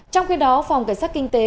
trong khi đó phòng cảnh sát kinh tế